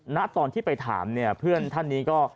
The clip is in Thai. ณตอนที่ไปถามเนี่ยเพื่อนท่านนี้ก็